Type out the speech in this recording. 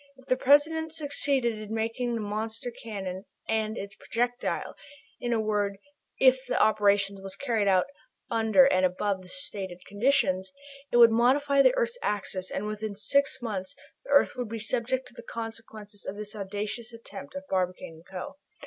If the President succeeded in making this monster cannon and its projectile in a word, if the operation was carried out under the above stated conditions it would modify the earth's axis, and within six months the earth would be subject to the consequences of this audacious attempt of Barbicane & Co.